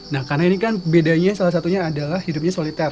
nah karena ini kan bedanya salah satunya adalah hidupnya soliter